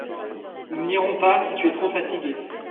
Nous n'irons pas si tu es trop fatiguée.